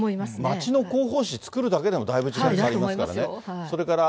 町の広報誌作るだけでもだいぶ時間かかりますからね。